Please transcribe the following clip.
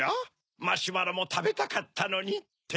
「マシュマロもたべたかったのに」って？